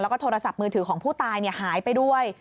แล้วก็โทรศัพท์มือถือของผู้ตายหายไปด้วย